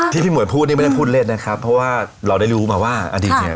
พี่หมวยพูดนี่ไม่ได้พูดเล่นนะครับเพราะว่าเราได้รู้มาว่าอดีตเนี่ย